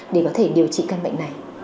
để có thể điều trị căn bệnh này